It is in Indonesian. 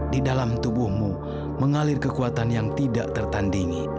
di dalam tubuhmu mengalir kekuatan yang tidak tertandingi